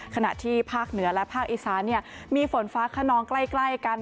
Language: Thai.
ขณะที่ภาคเหนือและภาคอีสานมีฝนฟ้าขนองใกล้กัน